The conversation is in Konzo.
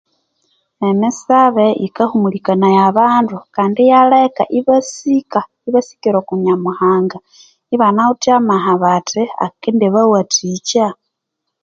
Emisabe yikahumulikanaya abandu kandi iyaleka ibasika ibasikira oku nyamuhanga ibanawithe amaha bathi akendibawathikya